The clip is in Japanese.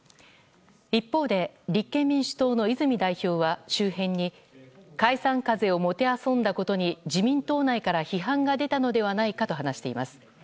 一方で、立憲民主党の泉代表は周辺に解散風をもてあそんだことに自民党内から出たのではないかと話しています。